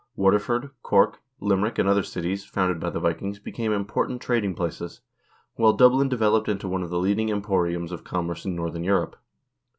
Waterford, Cork, Limerick, and other cities founded by the Vikings became important trading places, while Dublin developed into one of the leading emporiums of com merce in northern Europe.